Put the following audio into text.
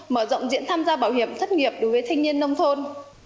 mở rộng diễn tham gia bảo hiểm thất nghiệp đối với thanh niên nông thôn